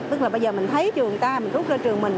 tức là bây giờ mình thấy trường người ta mình rút ra trường mình